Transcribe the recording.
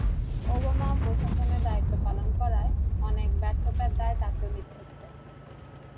Obama প্রশাসনে দায়িত্ব পালন করায় অনেক ব্যর্থতার দায় তাঁকেও নিতে হচ্ছে।